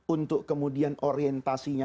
untuk kemudian orientasinya